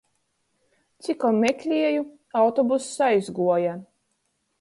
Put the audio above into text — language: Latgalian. Cikom meklieju, autobuss aizguoja.